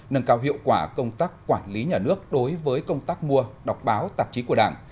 nâng cao hiệu quả công tác quản lý nhà nước đối với công tác mua đọc báo tạp chí của đảng